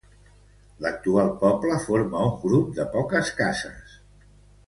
L'actual poble forma un grup de poques cases.